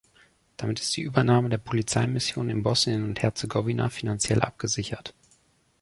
Damit ist die Übernahme der Polizeimission in Bosnien und Herzegowina finanziell abgesichert.